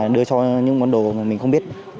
đưa cho những món đồ mà mình không biết